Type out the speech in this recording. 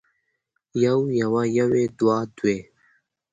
يو يوه يوې دوه دوې